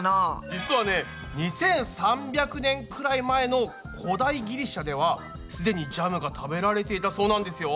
実はね２３００年くらい前の古代ギリシャではすでにジャムが食べられていたそうなんですよ。